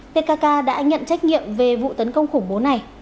tkk đã nhận trách nhiệm về vụ tấn công khủng bố này